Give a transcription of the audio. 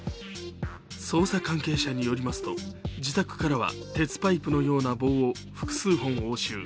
捜査関係者によりますと、自宅からは鉄パイプのような棒を複数本押収。